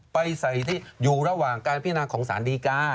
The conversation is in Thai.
ไปใส่ที่อยู่ระหว่างการพิจารณาของสารดีกา